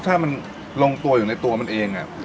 ถ้ามันลงตัวอยู่ในตัวมันเอง